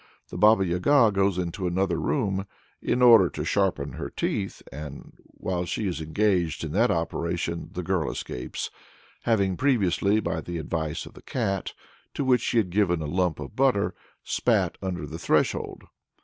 The Baba Yaga goes into another room "in order to sharpen her teeth," and while she is engaged in that operation the girl escapes, having previously by the advice of the Cat, to which she had given a lump of butter spat under the threshold.